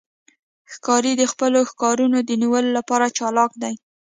ښکاري د خپلو ښکارونو د نیولو لپاره چالاک دی.